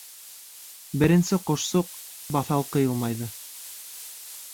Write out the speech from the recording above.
Беренсе ҡошсоҡ баҫалҡы йылмайҙы.